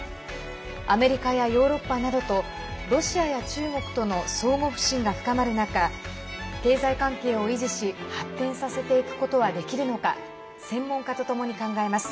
アメリカやヨーロッパなどとロシアや中国との相互不信が深まる中経済関係を維持し発展させていくことはできるのか専門家とともに考えます。